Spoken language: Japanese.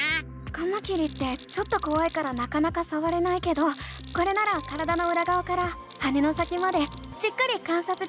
カマキリってちょっとこわいからなかなかさわれないけどこれなら体のうらがわから羽の先までじっくり観察できるね！